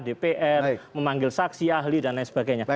dpr memanggil saksi ahli dan lain sebagainya